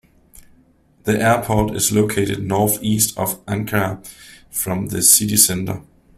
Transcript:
The airport is located northeast of Ankara, from the city center.